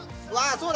そうだ。